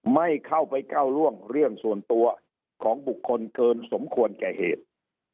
ไม่เข้าไปก้าวร่วงเรื่องส่วนตัวของบุคคลเกินสมควรแก่เหตุ